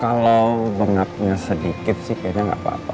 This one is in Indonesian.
kalo bengapnya sedikit sih kayanya gak apa apa